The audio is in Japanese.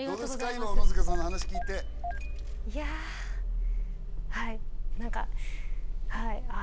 今小野塚さんの話聞いていやはい何かはいああ